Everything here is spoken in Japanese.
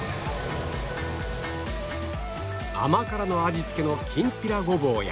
甘辛の味付けのきんぴらごぼうや